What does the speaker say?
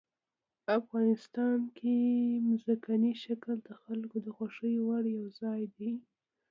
افغانستان کې ځمکنی شکل د خلکو د خوښې وړ یو ځای دی.